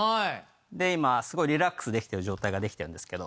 で今すごいリラックスできてる状態ができてるんですけど。